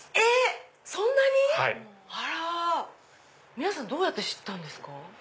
皆さんどうやって知ったんですか？